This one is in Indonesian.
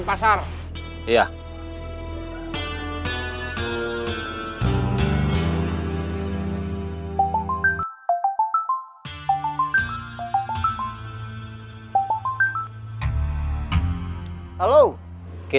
danan er lagi